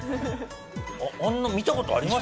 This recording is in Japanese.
あんな見た事あります？